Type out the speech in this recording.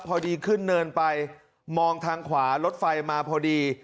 พอดีขึ้นเนินไปมองทางขวารถไฟมาพอดี